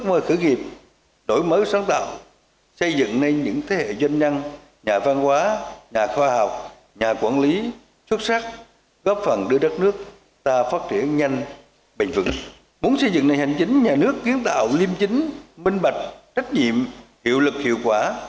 muốn xây dựng nền hành chính nhà nước kiến tạo liêm chính minh bạch trách nhiệm hiệu lực hiệu quả